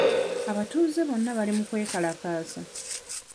Abatuuze bonna bali mu kwekalakaasa.